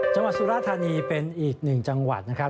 จังหวัดสุรธานีเป็นอีกหนึ่งจังหวัดนะครับ